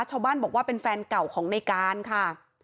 ชาวบ้านบอกว่าเป็นแฟนเก่าของในการค่ะ